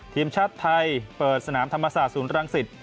ทีมชาติไทยเปิดสนามธรรมศาสตศูนย์รังสิต